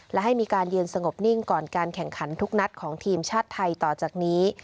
และให้มีการยืนสงบนิ่งก่อนการแข่งขันทุกนัดของทีมชาติไทยต่อจากนี้